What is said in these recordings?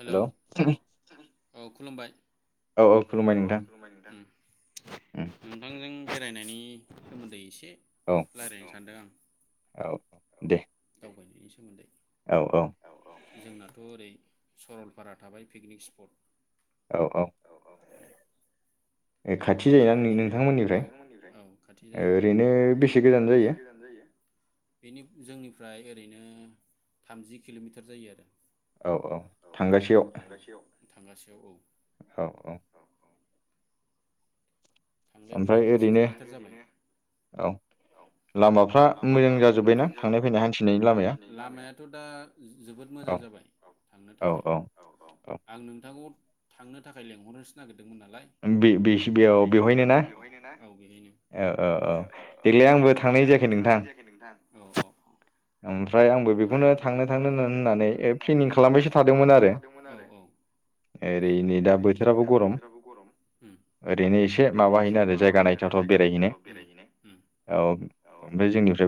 हेलौे औ खुलुमबाय औ औ खुलुमबाय नोंथां नोंथांजों बेरायनायनि सोमोन्दै एसे रायलायगोन सानदों आं औ दे [inaudible] औ औ जोंनाथ' ओरै सरलपारा थाबाय पिकनिक स्पट औ औ बेनि खाथि जायो नों-नोंथांमोननिफ्राय औ औ खाथि जायो ओरैनो बेसे गोजान जायो बेनि जोंनि ओमफ्राय ओरैनो थामजि किल'मिटार जायो आरो औ औ थांगासेयाव थांगासेयाव औ औ औ थांलाय फैलाय द'जि किल'मिटार जाबाय औ लामाफ्रा मोजां जाजोब्बायना थांनाय फैनाय हान्थिनायनि लामायाथ' दा जोबोद मोजां जाबाय औ थांनो थाखाय औ औ आं नोंथांखौ थांनो थाखाय लेंहरनोसो नागिरदों बे-बेस-बेयाव बेयाव बेवहायनो ना? औ औ औ देग्लाय आंबो थांनाय जायाखै नोंथां। ओमफ्राय आंबो बेखौनो थांनो थांनो होन-होननानै प्लेनिं खालामबायसो थादोंमोन आरो ओरै नै दा बोथोराबो गरम ओरैनो एसे माबाहैनो आरो जायगा नाय जायगा नायथावथाव बेरायहैनाय औ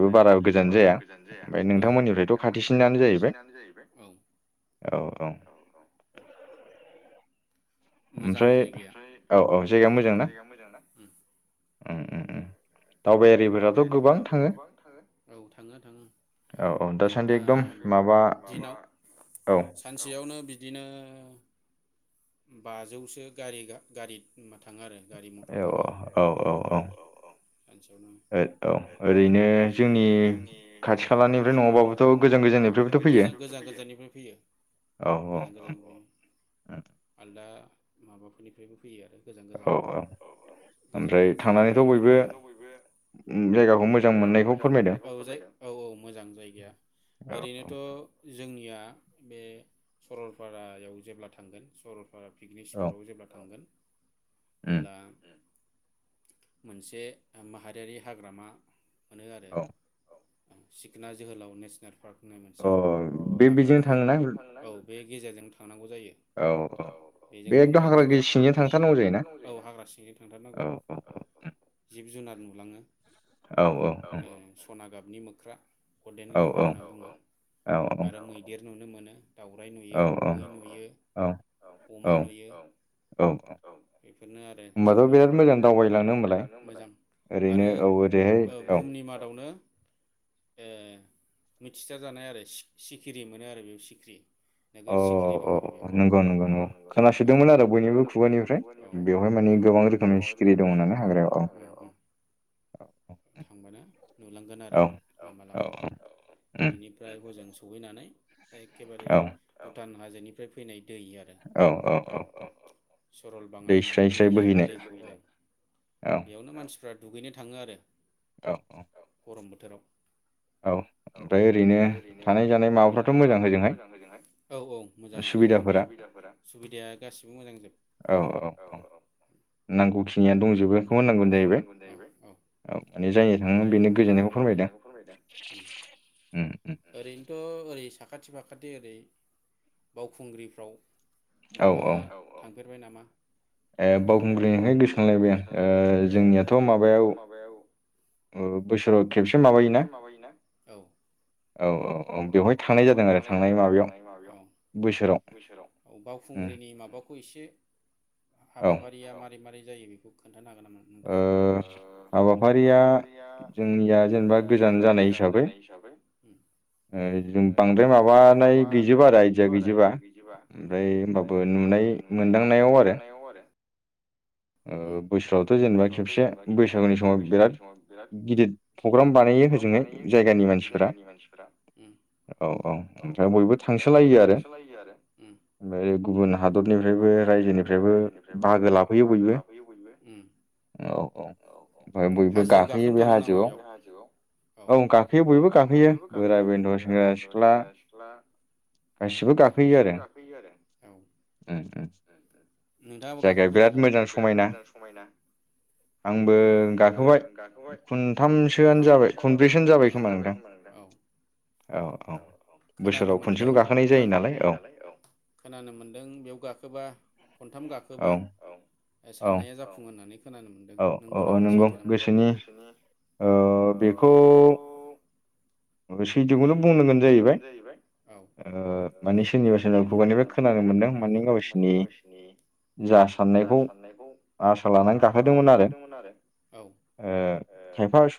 बे जोंनिफ्रायबो बारा गोजान जाया औ नोंथांमोननिफ्रायथ' खाथिसिनानो जाहैबाय औ औ औ मोजां जायगाया औ औ जायगाया मोजां ना? दावबायारिफोराथ' गोबां थाङो औ थाङो थाङो दिनाव सानसेयावनो बिदिनो बाजौसो गारि गा गारि थाङो आरो गारि मथर थाङो औ औ औ सानसेयावनो औ ओरैनो जोंनि खाथि खालानिफ्राय नङाबाबोथ' गोजान गोजाननिफ्राय फैयो गोजान गोजाननिफ्राय आलदा दा माबाफोरनिफ्रायबो फैयो आरो औ औ ओमफ्राय औ थांनानै जाय औ ओ मोजां जायगाया ओरैनोथ' जों निया बे सरलपारायाव जेब्ला थांगोन सरल आ पिकनिक स्पटआव जेब्ला थांगोन अब्ला मोनसे माहारियारि हाग्रामा मोनो आरो सिखना जोहोलाव नेसनेल पार्क बुंनाय मोनसे हाग्रा दं। औ बे गेजेरजों थांनांगौ। जायो बेजों थांबा नोगोद औ हाग्रा सिंजों थांथारनांगौ जिब जुनार नुलाङो। औ औ नि मोख्रा गलदेन लांगुर होनना बुङो आरो मैदेर नु नुनो मोनो दाउराइ नुयो मै नुयो अमा नुयो बेफोरनो आरो जोंनिया। मोजां आरो औ बुहुमनि मादावनो ए मिथिसार जानाय आरो सि-सिखिरि मोनो आरो बेयाव सिखिरि नोगोर सिखिरि दं आरो बेहाय औ औ औ नंगौ नंगौ नंगौ औ खोनासोदोंमोन आरो बयनिबो खुगानिफ्राय बेवहाय माने गोबां रोखोमनि सिखिरि दं होननानै। थांबानो नुलांगोन आरो लामा लामा बेनिफ्राय ओजों सौहैनानै एककेबारे भुटान हाजोनिफ्राय फैनाय दै आरो औ सरल बाङा होननानै बुंनाय जाहै दै मानसिफ्रा दुगैनो थाङो आरो औ औ गरम बोथोराव औ ओमफ्राय ओरैनो थानाय जानाय माबाफ्राथ' मोजां ओजोंहाय औ औ मोजाङानो सुबिदाफोरा सुबिदाया गासिबो मोजां जोब औ औ नांगौखिनियानो दंजोबो [unintelligible] गोजोननायखौ फोरमायदों ओैरैनोथ' ओरै साखाथि फाखाथि ओरै बावखुंग्रिफ्राव नोंथाङा थां फेरबाय नामा ए बावखुंग्रि होननायखाय गोसोाखांलायबाय आं जोंनियाथ' माबायाव बोसोराव खेबसे माबायोना औ औ औ औ बेवहाय थांनाय जादों आरो थांनाय माबायाव बोसोराव औ बावखुंग्रिनि माबाखौ एसे हाबाफारिया मारै मारै जायो [unintelligible] नोंथाङा हाबाफारिया जोंनिया जेनेबा गोजान जानाय हिसाबै बांद्राय माबानाय गैजोबा आरो आइजोआ गैजोबा ओमफ्राय हबाबो नुनाय मोनदांनायाव आरो [unintelligible] जेनेबा खेबसे बैसागुनि समाव बिराद गिदिर प्रग्राम बानायो होजोंहै जायगानि मानसिफोरा औ औ ओमफ्राय बयबो थांसोलायो आरो ओमफ्राय गुबुन हादरनिफ्रायबो रायजोनिफ्रायबो बाहागो लाफैयो बयबो औ औ हाजो गाखोनो थाङो नामा बेयाव हाजोआव औ औ गाखोयो बयबो गाखोयो बोराय बेदर सेंग्रा सिख्ला गासिबो गाखोयो आरो औ नोंथाङाबो गाखोफेरबाय नामा? बिराद मोजां समायना आंबो गाखोबाय खथामसो जाबाय खनब्रैसो जाबाय खोमा औ औ औ खोनानो मोनदों गाखोनाय जायो नालाय औ खोनानो मोनदों बेयाव गाखोबा खनथाम गाखोबा औ साननाया जाफुंङो नानै खोनानो मोनदों नंगौ नामा सैथो नंगौ गोसोनि ओ बेखौ सैथोखौनो बुंनांगोन जाहैबाय औ माने सोरनिबा सोरनिबा खुगायनिफ्राय खोनानो मोनदों माने गावसोरनि जा साननायखौ गाखोदोंमोन आरो औ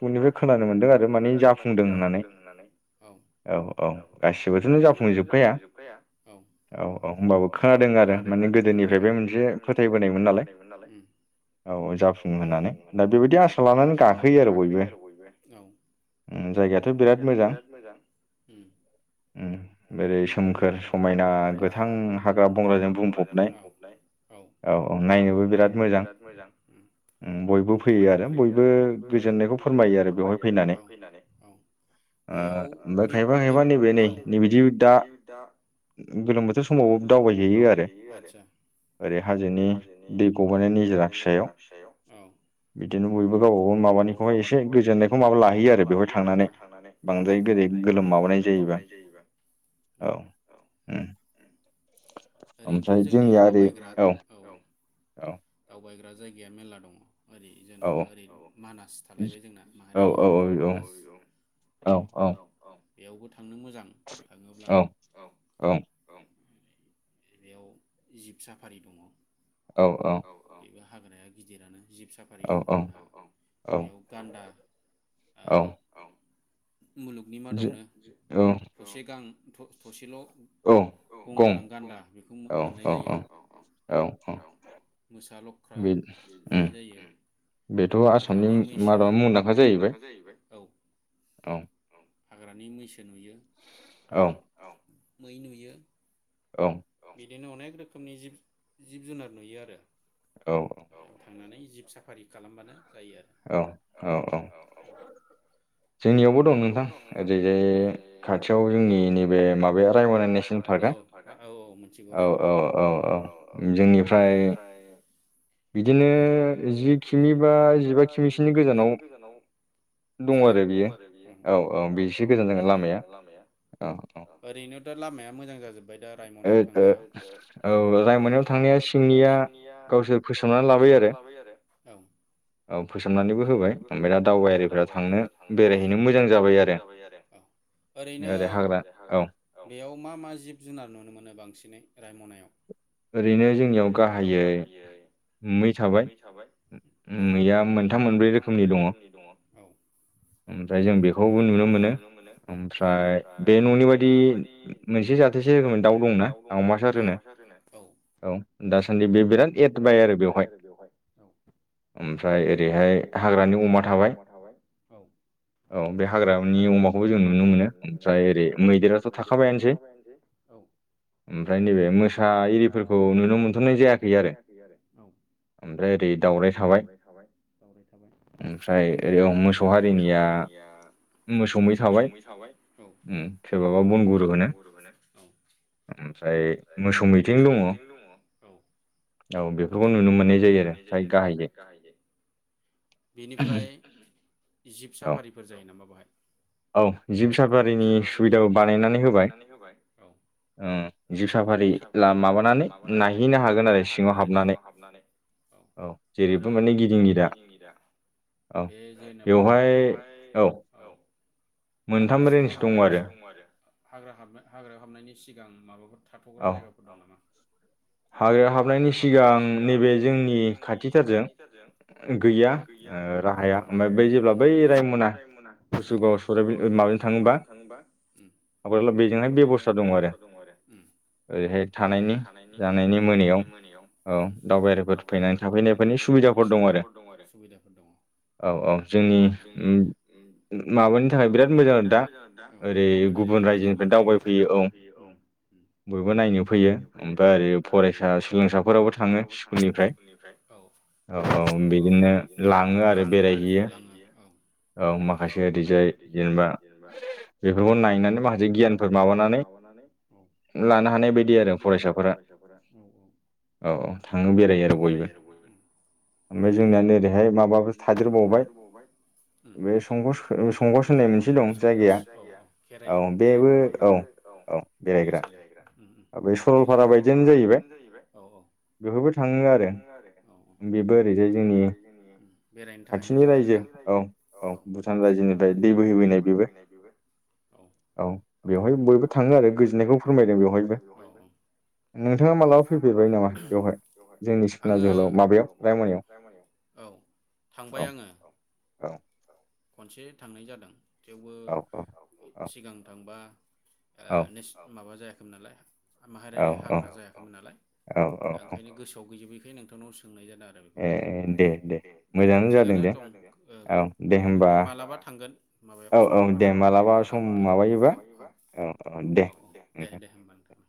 खायफा सुबुंनिफ्राय खोनानो मोनदों आरो माने जाफुंदों होननानै औ औ औ गासिबोथ' जाफुंजोबखाया औ औ औ होनबाबो खोनादों आरो माने गोदोनिफ्रायबो मोनसे फोथायबोनायमोन नालाय औ जाफुंङो होननानै दा बेबायदि आसा लानानै गाखोयो आरो बयबो जायगायाथ' बिराद मोजां बोरै सोमखोर समायना गोथां हाग्रा बंग्राजों बुंफबनाय औ औ नायनोबो बिराद मोजां मोजां बयबो फैयो आरो बयबो गोजोननायखौ फोरमायो आरो बेवहाय फैनानै बेयावायबा थायबा नैबे नै नैबदि दा गोलोम बोथोर समावबो दावबायहैयो आरो ओरै हाजोनि दै फिसायाव बिदिनो बयबो गावबाव माबानिखौहाय एसे गोजोननायखौ माबा लाहैयो आरो बेह थांनानै बांद्राय गोदै गोलोम माबानाय जायोबा औ ओरैनोथ' जोंनियाव दावबायग्रा ओर औ दावबायग्रा जायगाया मेरला दङ ओरै जेन'बा ओरै मानास थालायबाय जोंना माहारियारि हाग्रायाव औ औ बेयावबो थांनो मोजां थाङोब्ला औ औ। बेयाव जिब साफारि दङ औ औ बे हाग्राया गिदिरानो। जिब साफारि दं जोंनाव बेयाव गान्दा औ मुलुगनि मादावनो थसे गां थ'थसेल' औ गं औ औ औ औ औ मोसा लख्रा नुनाय जायो आरो हाग्रानि मैसो [unintelligible] हाग्रानि मैसो नुयो औ मै नुयो औ। बिदिनो अनेक रोखोमनि जिब-जिब जुनार नुयो आरो औ औ थांनानै जिब साफारि खालामबानो जायो आ औ औ औ औ औ औ औ मिथिगौ रायनाय पार्क जागोन बेयो [unintelligible] ओरैनो दा लामाया मोजां जाजोब्बाय दा रायमनायाव थांनाया औ रायमनायाव थांनाया सिंनिया गावसोर फोसाबना लाबाय आरो औ औ फोसाबनानैबो होबाय ओमफाय दा दावबायारिफोरा थांनो [unintelligible] ओरैनो बेयाव मा मा जिब जुनार नुनो मोनो बांसिनै? रायमनायाव? ओरैनो जोंनियाव गाहायै मै थाबाय मैया मोनथाम मोनब्रै रोखोमनि दङ। दा जों बेखौबो नुनो मोनो ओमफ्राय बे न'नि बायदि मोनसे जाथोसे रोखोमनि दाउ दंना दाउमासार होनो। [unintelligible] औ बे हाग्रानि अमाखौबो जों नुनो मोनो ओमफ्राय ओरै मैदेराथ' थाखाबायसै ओमफ्राय नैबे मो [unintelligible] सौ हारिनिया मोसौै मै थाबाय सोरबाबा बनगुरु होनो मोसौ मैथेनबो दं औ बेफोरखौ नुनो मोन्नाय जायो आरो गाहायै बेनिफ्राय जिब साफारिफोर जायो नामा बहाय? औ जिप साफारिनि सुबिदाबो बानायनानै होबाय औ जिप सफारि माबानानै नायहैनो हागोन आरो सिङाव हाबनानै औ आरो ओरैफोर माने गिदिं गिदा बे जेनेबा बेवहाय औ हाग्रा सिङाव हाबनायनि सि हाग्रा हाबनाय हाग्रायाव हाबनायनि सि सिगां माबाफो थाथग्रा जायगाफोर दं नामा? हाग्रायाव हाबनायनि सिगां नैबे जोंनि खाथिथारजों गैया राहाया ओमफ्राय बै जेब्ला बै जेब्ला बै रायमना कुसुगाव, सरायबिल माबाजों थाङोबा बेजोंनाय बेबस्था दङ आरो ओैरैहाय थानाय जानायनि मोनायाव औ दावबायारिफोर फैनानै थाफैनायफोरनि सुबिदाफोर दं आरो सुबिदाफोर दङ। जोंनि माबानि थाखाय बिराद मोजां आरो दा ओरै गुबुन रायजोनिफ्राय दावबायफैयो औ बयबो नायनो फैयो। ओमफ्राय ओरै फरायसा सोलोंसाफोराबो थाङो स्कुलनिफ्राय औ औ औ बिदिनो लाङो आरो बेरायहैयो औ माखासे ओरैजाय जेनेबा बेफोरखौ नायनानै माखासे गियानफोर माबानानै लानो हानाय यदि आरो फरायसाफोरा औ थांनानै बेरायो आरो बयबो जोंना जेरैहाय माबाबो थादेरबावबाय बे संकस संकस होननाय जायगाया खेराइ खेराइ माबाग्रा औ खेराइसालियाव औ उम उम थिगानो दङ सरलपारा बायदियानो जाहैबाय औ औ बेफोरबो थाङो आरो बेबो ओरैजाय जोंनि बेरायनो थाखाय मोजां आरो ना। औ औ औ भुतान रायजोनिफ्राय दै बोहैबोनाय बेबो औ औ बेवहाय बयबो थाङो आरो गोजोननायखौ फोरमायदों बेवहायबो। नोंथाङा मालाबा फैफेरबायनामा बेवहाय सिखना जोहोलाव माबायाव रायमनायाव? थांबाय आङो खनसे थांनाय जादों। थेवबो सिगां थांबा ओ नेच माबा जायाख मोन नालाय माहारियारि हाग्रा जायाखैमोन नालाय दा ओंखायनो गोसोआव गैजोबै नोंथांनाव सो ए दे दे थिगआानो दं औ दे मालाबा थांगोन माबायाव सरलपारायाव औ औ [unintelligible] दे दे होमबा नोंथां।